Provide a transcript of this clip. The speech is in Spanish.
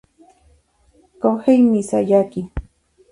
Kohei Miyazaki